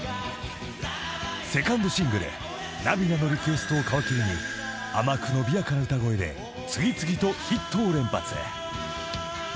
［セカンドシングル『涙のリクエスト』を皮切りに甘く伸びやかな歌声で次々とヒットを連発］